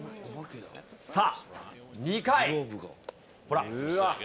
さあ、２回。